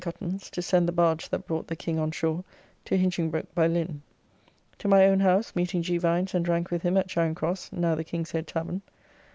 Cuttance to send the barge that brought the King on shore, to Hinchingbroke by Lynne. To my own house, meeting G. Vines, and drank with him at Charing Cross, now the King's Head Tavern.